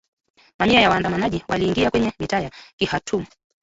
Mamia ya waandamanaji waliingia kwenye mitaa ya Khartoum